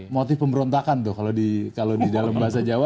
motif pemberontakan tuh kalau di dalam bahasa jawa